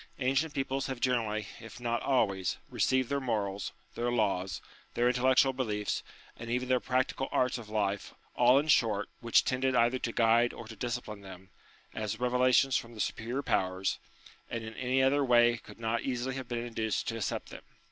Ancient peoples have generally, if not always, received their morals, their laws, their intel lectual beliefs, and even their practical arts of life, all in short which tended either to guide or to discipline them, as revelations from the superior powers, and in any other way could not easily have been induced to accept them.